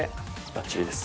バッチリです。